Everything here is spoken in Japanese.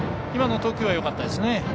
今の投球はよかったです。